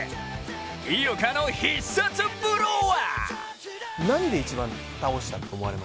井岡の必殺ブローは？